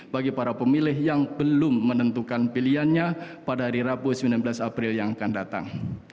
bagi para pemilih yang belum menentukan pilihannya pada hari rabu sembilan belas april yang akan datang